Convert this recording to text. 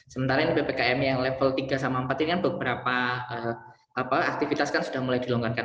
sementara ini ppkm yang level tiga sama empat ini kan beberapa aktivitas kan sudah mulai dilonggarkan